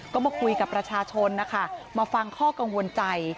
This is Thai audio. ก็มาคุยกับประชาชนนะคะมาฟังข้อกังวลใจ